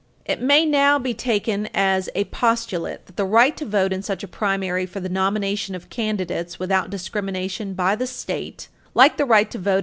It may now be taken as a postulate that the right to vote in such a primary for the nomination of candidates without discrimination by the State, like the right to vote Page 321 U.